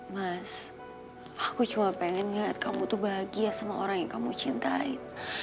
mas aku cuma pengen lihat kamu tuh bahagia sama orang yang kamu cintai